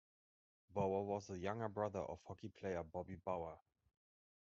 Bauer was the younger brother of hockey player Bobby Bauer.